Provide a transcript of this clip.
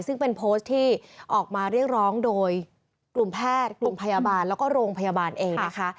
ซึ่งเป็นโพสต์ที่ออกมาเรียกร้องโดยกลุ่มแพทย์กลุ่มพยาบาลแล้วก็โรงพยาบาลเองนะคะ